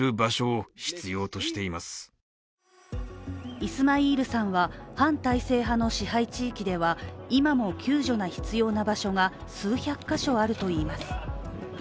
イスマイールさんは反体制派の支配地域では今も救助が必要な場所が数百か所あるといいます。